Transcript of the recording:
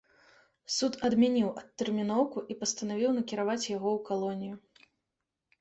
Суд адмяніў адтэрміноўку і пастанавіў накіраваць яго ў калонію.